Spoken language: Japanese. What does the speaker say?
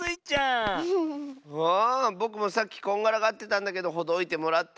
ぼくもさっきこんがらがってたんだけどほどいてもらった。